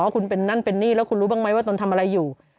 คุณเป็นนั่นเป็นนี่แล้วคุณรู้บ้างไหมว่าตนทำอะไรอยู่